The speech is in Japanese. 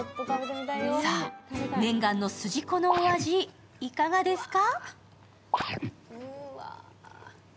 さあ、念願の筋子のお味いかがですか？